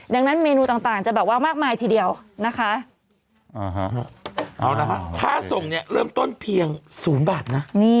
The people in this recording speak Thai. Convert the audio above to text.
ดังนั้นเมนูต่างจะแบบว่ามากมายทีเดียวนะคะเอาละฮะค่าส่งเนี่ยเริ่มต้นเพียง๐บาทนะ